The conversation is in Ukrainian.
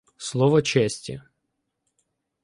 Слово честі.